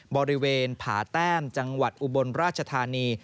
บริเวณผาแต้มจังหวัดอุบลราชธานี